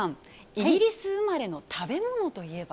イギリス生まれの食べ物といえば？